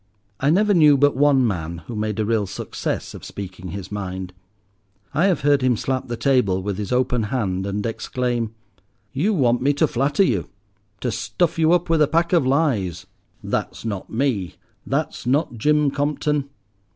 I never knew but one man who made a real success of speaking his mind. I have heard him slap the table with his open hand and exclaim— "You want me to flatter you—to stuff you up with a pack of lies. That's not me, that's not Jim Compton.